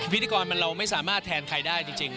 พิธีกรเราไม่สามารถแทนใครได้จริง